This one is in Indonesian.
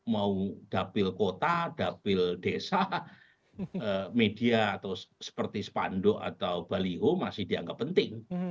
mau dapil kota dapil desa media atau seperti spanduk atau baliho masih dianggap penting